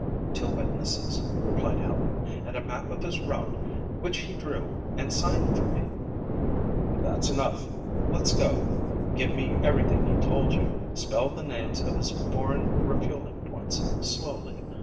"Two witnesses," replied Helen, "and a map of his route which he drew and signed for me." "That's enough. Let's go. Give me everything he told you. Spell the names of his foreign refueling points slowly.